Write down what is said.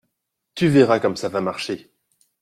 Tu verras comme ça va marcher.